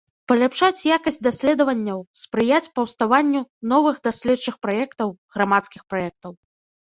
Паляпшаць якасць даследаванняў, спрыяць паўставанню новых даследчых праектаў, грамадскіх праектаў.